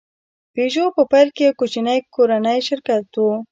پيژو په پیل کې یو کوچنی کورنی شرکت و.